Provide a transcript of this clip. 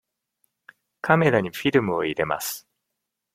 カメラにフィルムを入れます。